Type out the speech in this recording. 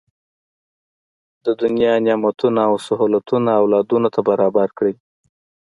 د دنیا نعمتونه او سهولتونه اولادونو ته برابر کړي.